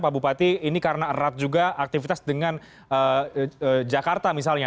pak bupati ini karena erat juga aktivitas dengan jakarta misalnya